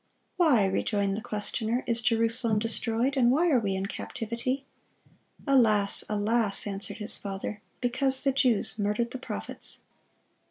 "Why," rejoined the questioner, "is Jerusalem destroyed, and why are we in captivity?" "Alas, alas!" answered his father, "because the Jews murdered the prophets."